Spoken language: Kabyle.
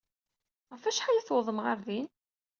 Ɣef wacḥal ay tewwḍem ɣer din?